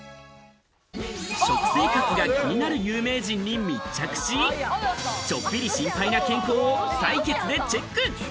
食生活が気になる有名人に密着し、ちょっぴり心配な健康を採血でチェック！